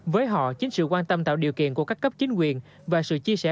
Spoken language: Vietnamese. với họ chính sự quan tâm tạo điều kiện của các cấp chính quyền và sự chia sẻ